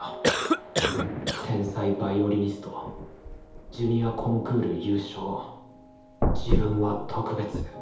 「天才ヴァイオリニスト」「ジュニアコンクール優勝」「自分は特別」